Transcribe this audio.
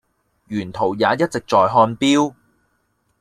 沿途也一直在看錶